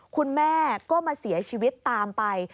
คุณแม่ก็มาเสียชีวิตตามไป